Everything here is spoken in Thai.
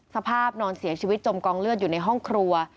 สภาพนอนเสียชีวิตจมกองเลือดอยู่ในห้องครัว